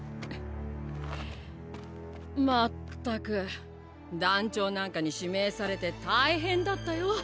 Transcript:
まったく団長なんかに指名されて大変だったよ。